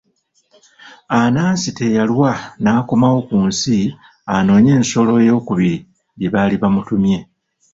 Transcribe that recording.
Anansi teyalwa n'akomawo ku nsi anoonye ensolo ey'okubiri gye baali bamutumye.